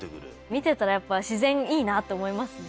見てたらやっぱ自然いいなと思いますね。